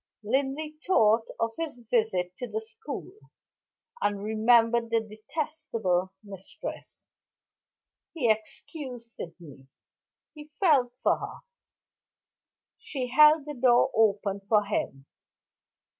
Linley thought of his visit to the school, and remembered the detestable mistress. He excused Sydney; he felt for her. She held the door open for him.